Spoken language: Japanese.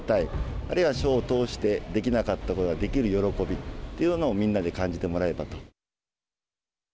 あるいは書を通してできなかったことができる喜びというのをみんなで感じてもらえればと。